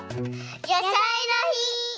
「やさいの日」。